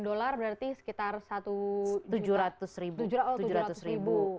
enam puluh sembilan dolar berarti sekitar tujuh ratus ribu